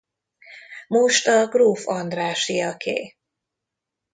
Most a gróf Andrássyaké.